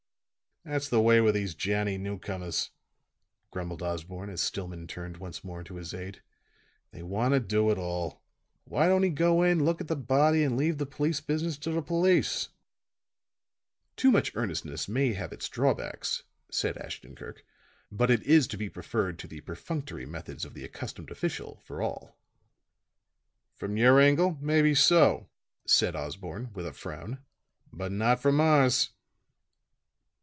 "That's the way with these Johnnie Newcomers," grumbled Osborne as Stillman turned once more to his aide. "They want to do it all. Why don't he go in, look at the body and leave the police business to the police." "Too much earnestness may have its drawbacks," said Ashton Kirk, "but it is to be preferred to the perfunctory methods of the accustomed official, for all." "From your angle, maybe so," said Osborne with a frown; "but not from ours."